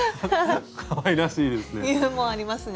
かわいらしいですね。